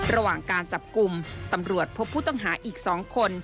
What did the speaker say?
ระหว่างการจับกลุ่มตำรวจพบผู้ต้องหาอีก๒คน